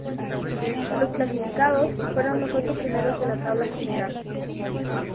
Los clasificados fueron los ocho primeros de la tabla general.